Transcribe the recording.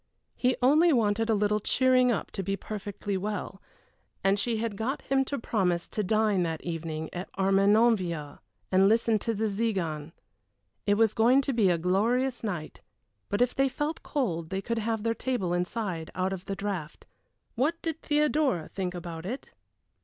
He only wanted a little cheering up to be perfectly well, and she had got him to promise to dine that evening at Armenonville and listen to the Tziganes. It was going to be a glorious night, but if they felt cold they could have their table inside out of the draught. What did Theodora think about it?